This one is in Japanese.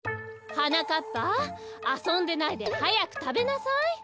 はなかっぱあそんでないではやくたべなさい。